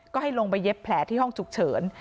ก็ให้ลงไปเย็บแผลที่ห้องฉุกเฉิน